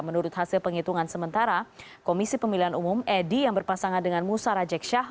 menurut hasil penghitungan sementara komisi pemilihan umum edi yang berpasangan dengan musa rajeksyah